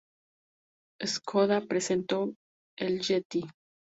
Škoda presentó el Yeti.